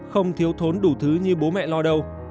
không thiếu thốn đủ thứ như bố mẹ lo đâu